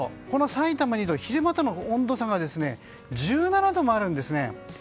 このさいたま２度昼間との温度差が１７度もあるんですね。